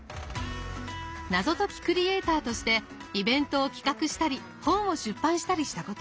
謎解きクリエイターとしてイベントを企画したり本を出版したりしたこと。